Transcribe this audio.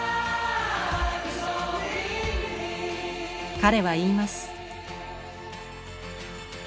彼は言います。